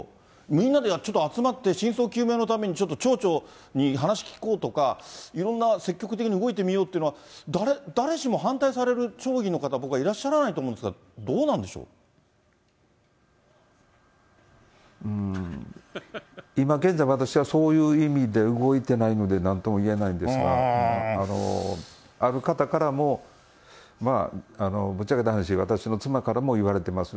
みんなでちょっと集まって、真相究明のために町長に話聞こうとか、いろんな積極的に動いてみようというのは、誰しも反対される町議の方、僕はいらっしゃらないと思うーん、今現在も私はそういう意味で動いてないのでなんとも言えないんですが、ある方からもぶっちゃけた話、私の妻からも言われています。